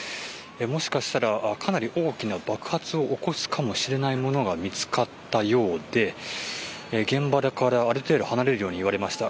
もしかしたらかなり大きな爆発を起こすかもしれないものが見つかったようで現場からある程度離れるように言われました。